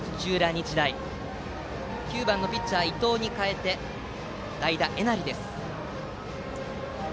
日大は９番のピッチャー伊藤に代えて代打の江成です。